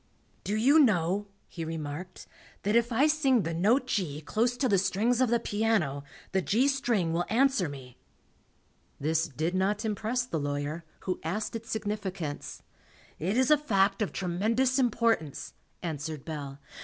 "Do you know," he remarked, "that if I sing the note G close to the strings of the piano, the G string will answer me?" This did not impress the lawyer, who asked its significance. "It is a fact of tremendous importance," answered Bell.